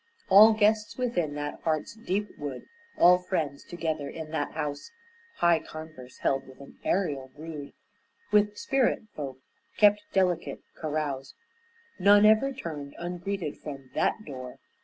All guests within that heart's deep wood, All friends together in that house, High converse held with an ærial brood, With spirit folk kept delicate carouse; None ever turned ungreeted from that door.